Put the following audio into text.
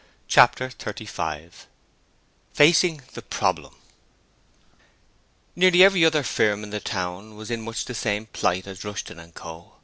Chapter 35 Facing the 'Problem' Nearly every other firm in the town was in much the same plight as Rushton & Co.